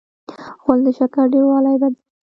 غول د شکر ډېروالی بدلوي.